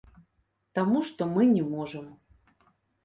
Таму што мы не можам.